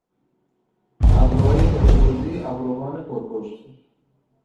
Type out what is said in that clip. ابروهای پاچه بزی، ابروان پرپشت